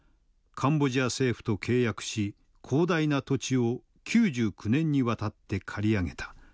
カンボジア政府と契約し広大な土地を９９年にわたって借り上げた。